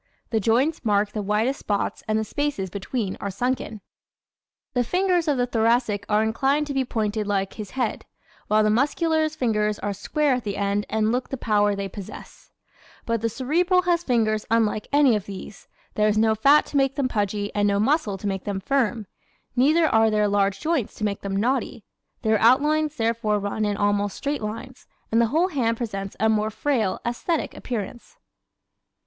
The joints mark the widest spots and the spaces between are sunken. [Illustration 10: A: Typical CEREBRAL face B: Typical CEREBRAL hand] The fingers of the Thoracic are inclined to be pointed like his head, while the Muscular's fingers are square at the end and look the power they possess. ¶ But the Cerebral has fingers unlike any of these. There is no fat to make them pudgy and no muscle to make them firm. Neither are there large joints to make them knotty. Their outlines therefore run in almost straight lines and the whole hand presents a more frail, aesthetic appearance.